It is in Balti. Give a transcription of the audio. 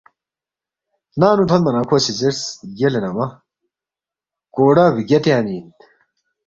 ننگ نُو تھونما نہ کھو سی زیرس، یلے نمہ کوڑا بگیا تیانگمی اِن